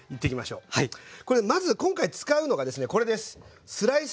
これまず今回使うのがですねこれです。